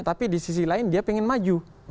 tapi di sisi lain dia ingin maju